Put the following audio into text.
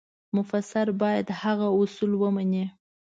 مفسر باید هغه اصول ومني.